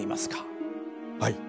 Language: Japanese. はい。